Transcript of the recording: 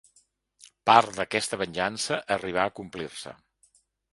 Part d'aquesta venjança arribà a complir-se.